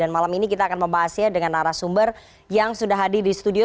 malam ini kita akan membahasnya dengan arah sumber yang sudah hadir di studio